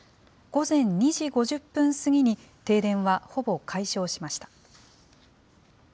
午前２時５０分過ぎに、停電はほぼ解消しました。